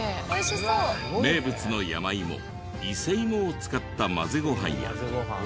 名物の山芋伊勢芋を使った混ぜご飯や。